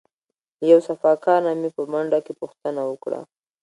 له یو صفاکار نه مې په منډه کې پوښتنه وکړه.